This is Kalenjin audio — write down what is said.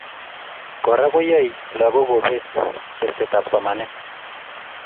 Kora koyai lagok kobeet chersetab somanet